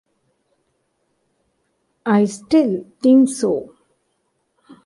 I still think so.